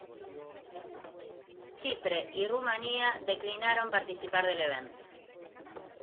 Chipre y Rumanía declinaron participar del evento.